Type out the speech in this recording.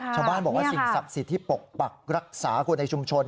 ชาวบ้านบอกว่าสิ่งศักดิ์สิทธิ์ที่ปกปักรักษาคนในชุมชน